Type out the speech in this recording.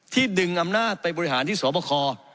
ที่ดึงอำนาจไปบริหารที่สระป่าคอ